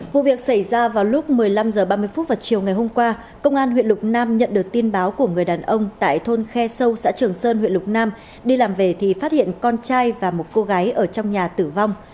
vụ việc xảy ra vào lúc một mươi năm h ba mươi vào chiều ngày hôm qua công an huyện lục nam nhận được tin báo của người đàn ông tại thôn khe sâu xã trường sơn huyện lục nam đi làm về thì phát hiện con trai và một cô gái ở trong nhà tử vong